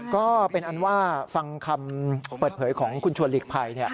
ก็เป็นอันว่าฟังคำเปิดเผยของคุณชวนหลีกภัย